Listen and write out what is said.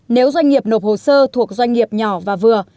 nếu doanh nghiệp nộp hồ sơ thuộc doanh nghiệp nhỏ và vừa